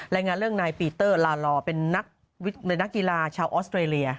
รายงานเรื่องนายปีเตอร์ลาลอเป็นนักกีฬาชาวออสเตรเลีย